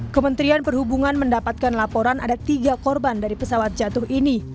kementerian perhubungan mendapatkan laporan ada tiga korban dari pesawat jatuh ini